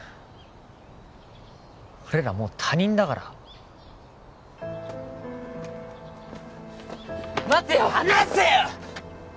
俺らもう他人だから待てよ離せよ！